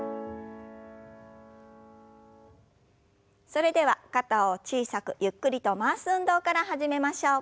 それでは肩を小さくゆっくりと回す運動から始めましょう。